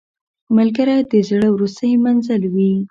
ملګری د زړه وروستی منزل وي